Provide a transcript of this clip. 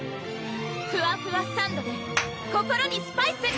ふわふわサンドｄｅ心にスパイス！